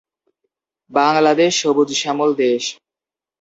বাংলাদেশ সবুজ শ্যামল দেশ।